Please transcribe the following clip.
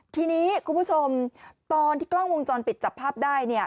ทีนี้คุณผู้ชมตอนที่กล้องวงจรปิดจับภาพได้เนี่ย